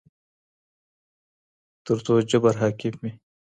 تر څو جبر حاکم وي